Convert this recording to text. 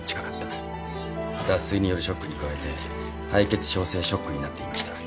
脱水によるショックに加えて敗血症性ショックになっていました。